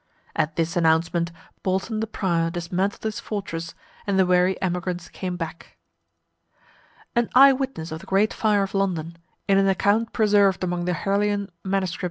At this announcement, Bolton the prior dismantled his fortress, and the weary emigrants came back. An eye witness of the great fire of London, in an account preserved among the Harleian Mss.